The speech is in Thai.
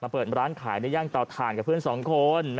เปิดร้านขายในย่างเตาถ่านกับเพื่อนสองคน